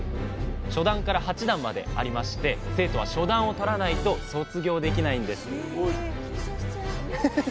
初段から八段までありまして生徒は初段を取らないと卒業できないんです